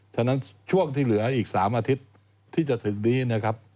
ฉะนั้นช่วงที่เหลืออีก๓อาทิตย์ที่จะถึงนี้นะครับ